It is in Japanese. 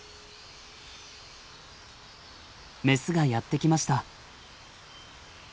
メスがやって来ました。